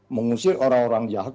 mengusir orang orang jahat